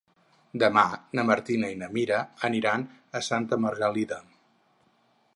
Demà na Martina i na Mira aniran a Santa Margalida.